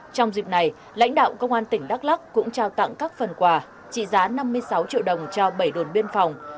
trong dịp này lãnh đạo công an tỉnh đắk lắk cũng trao tặng các phần quả trị giá năm mươi sáu triệu đồng cho bảy đường biên phòng